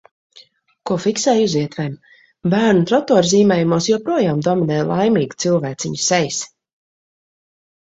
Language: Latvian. Ko fiksēju uz ietvēm. Bērnu trotuārzīmējumos joprojām dominē laimīgu cilvēciņu sejas.